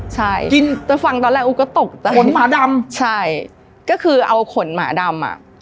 ใช่กินแต่ฟังตอนแรกอู๋ก็ตกแต่ขนหมาดำใช่ก็คือเอาขนหมาดำอ่ะ